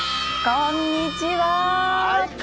こんにちは。